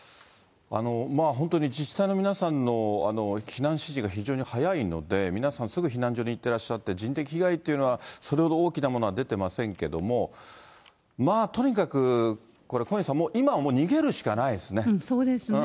本当に自治体の皆さんの避難指示が非常に速いので、皆さん、すぐ避難所に行ってらっしゃって、人的被害というのは、それほど大きなものは出てませんけども、まあとにかく、小西さん、これ、そうですね。